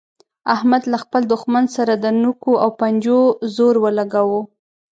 احمد له خپل دوښمن سره د نوکو او پنجو زور ولګاوو.